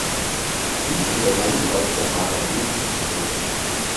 Dies wiederum weist der Maler wütend zurück.